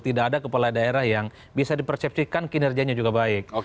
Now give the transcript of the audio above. tidak ada kepala daerah yang bisa dipersepsikan kinerjanya juga baik